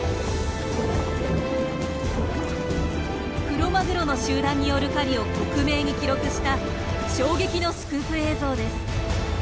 クロマグロの集団による狩りを克明に記録した衝撃のスクープ映像です。